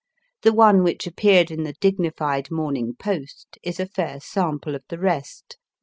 The one which appeared in the dignified Morning Post is a fair sample of the rest.